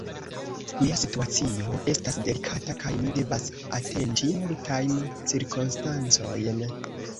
Mia situacio estas delikata, kaj mi devas atenti multajn cirkonstancojn.